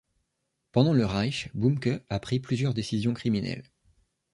Pendant le Reich, Bumke a pris plusieurs décisions criminelles.